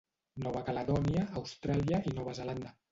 Nova Caledònia, Austràlia i Nova Zelanda.